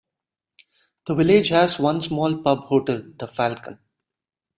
The village has one small pub-hotel, The Falcon.